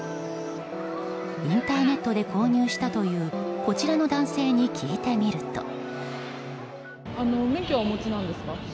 インターネットで購入したというこちらの男性に聞いてみると。